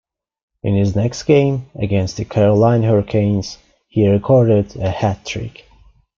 In his next game, against the Carolina Hurricanes, he recorded a hat-trick.